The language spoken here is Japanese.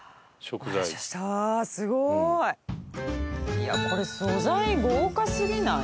いやこれ素材豪華すぎない？